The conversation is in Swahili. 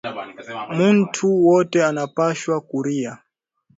Muntu wote ana pashwa kuria